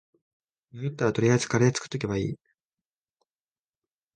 迷ったら取りあえずカレー作っとけばいい